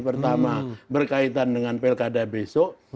pertama berkaitan dengan pilkada besok